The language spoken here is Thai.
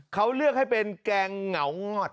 เขาเลือกให้เป็นแกงเหงางอด